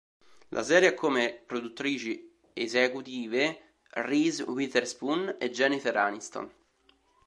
La serie ha come produttrici esecutive Reese Witherspoon e Jennifer Aniston.